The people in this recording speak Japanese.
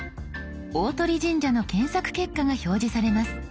大鳥神社の検索結果が表示されます。